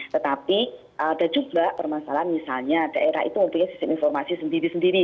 tetapi ada juga permasalahan misalnya daerah itu mempunyai sistem informasi sendiri sendiri